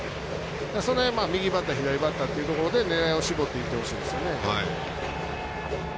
その辺、右バッター、左バッターというところで狙いを絞っていってほしいですよね。